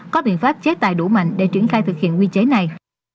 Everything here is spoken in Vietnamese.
có biện pháp chế tài đủ mạnh để triển khai thực hiện quy chế này